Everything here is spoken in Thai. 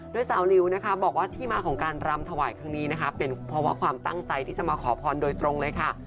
โดยสาวลิวนะคะบอกว่าที่มาของการรำถวายครั้งนี้นะคะเป็นเพราะว่าความตั้งใจที่จะมาขอพรโดยตรงเลยค่ะ